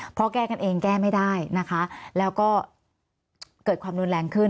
เพราะแก้กันเองแก้ไม่ได้นะคะแล้วก็เกิดความรุนแรงขึ้น